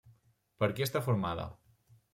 Per qui està formada?